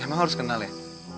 emang harus kenal ya